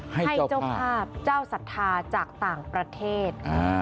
ให้เจ้าภาพเจ้าศรัทธาจากต่างประเทศ